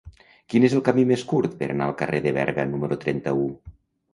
Quin és el camí més curt per anar al carrer de Berga número trenta-u?